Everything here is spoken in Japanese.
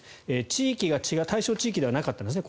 地域が違った対象地域ではなかったんですね